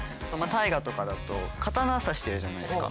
「大河」とかだと刀差してるじゃないですか。